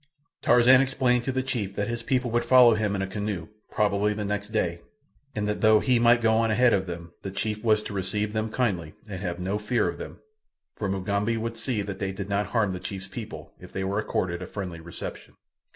Tarzan explained to the chief that his people would follow him in a canoe, probably the next day, and that though he might go on ahead of them the chief was to receive them kindly and have no fear of them, for Mugambi would see that they did not harm the chief's people, if they were accorded a friendly reception.